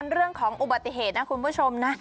เรื่องของอุบัติเหตุนะคุณผู้ชมนะ